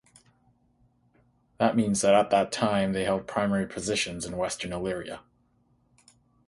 That means that at that time they held primary positions in western Illyria.